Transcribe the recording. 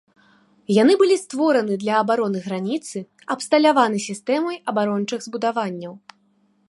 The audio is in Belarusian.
Яны былі створаны для абароны граніцы, абсталяваны сістэмай абарончых збудаванняў.